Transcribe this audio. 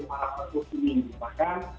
para pejabat ini bahkan